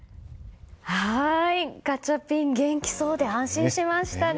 ガチャピン元気そうで安心しましたね。